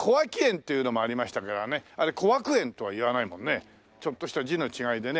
あれ小涌園とは言わないもんね。ちょっとした字の違いでね。